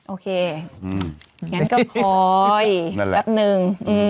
โอเคอย่างนั้นก็คอยแวบนึง